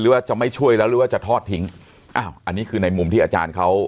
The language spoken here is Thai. ว่าจะไม่ช่วยแล้วหรือว่าจะทอดทิ้งอ้าวอันนี้คือในมุมที่อาจารย์เขา